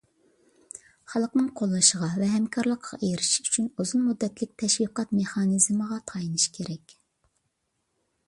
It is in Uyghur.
خەلقنىڭ قوللىشىغا ۋە ھەمكارلىقىغا ئېرىشىش ئۈچۈن ئۇزۇن مۇددەتلىك تەشۋىقات مېخانىزىمىغا تايىنىش كېرەك.